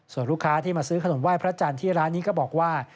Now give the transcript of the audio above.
ส่วนลูกค้าที่มาซื้อขนมไห้พระจันทร์ที่ร้านนี้ก็บอกว่า